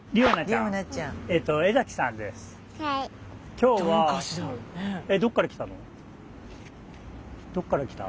今日はどっから来た？